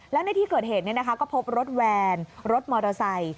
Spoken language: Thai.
แล้วในที่เกิดเหตุก็พบรถแวนรถมอเตอร์ไซค์